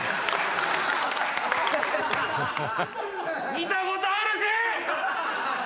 見たことあるし！